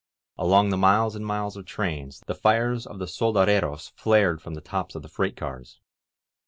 Along the miles and miles of trains, the fires of the soldaderas flared from the tops of the freight cars.